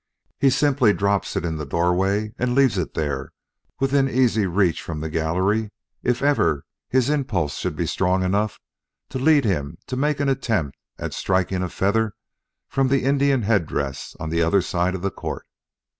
He simply drops it in the doorway and leaves it there within easy reach from the gallery if ever his impulse should be strong enough to lead him to make an attempt at striking a feather from the Indian headdress on the other side of the court.